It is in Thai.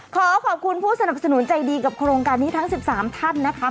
ขอขอบคุณผู้สนับสนุนใจดีกับโครงการนี้ทั้ง๑๓ท่านนะคะ